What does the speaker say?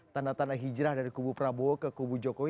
tanda tanda hijrah dari kubu prabowo ke kubu jokowi